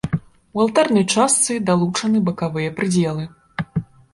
У алтарнай частцы далучаны бакавыя прыдзелы.